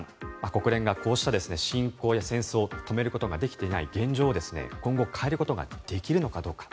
国連がこうした侵攻や戦争を止めることができていない現状を今後変えることができるのかどうか。